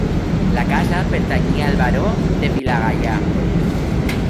La casa pertanyia al baró de Vilagaià.